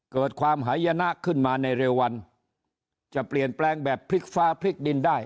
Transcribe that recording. เกิดความหายนะขึ้นมาในเร็ววันจะเปลี่ยนแปลงแบบพลิกฟ้าพลิกดินได้